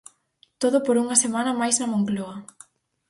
Todo por unha semana máis na Moncloa.